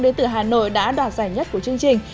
đến từ hà nội đã đoạt giải nhất của chương trình